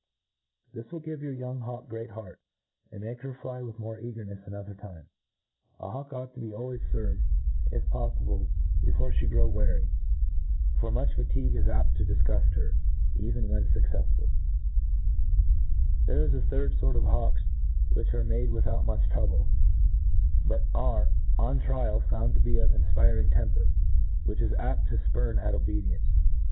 This will giye your young hawk great heart, and make her fly with more eagernefs another time. , A hawk ought to be always ferved, if poflible, before fhe grow weary ; for m^ich fatigue is apt to difgufl her. even when fuccefsful. There MODERN FAULCONRY. i8f There is a third fort of hawks which are made without much trouble, but arc, on trial, found to be of an afpiring temper, which is apt to fpurn at obedience.